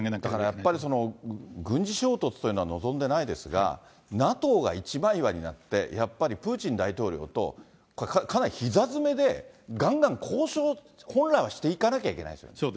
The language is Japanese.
だからやっぱり、その軍事衝突というのは望んでないですが、ＮＡＴＯが一枚岩になって、やっぱりプーチン大統領と、これ、かなりひざ詰めでがんがん交渉、本来はしていかなきゃいけないですよね。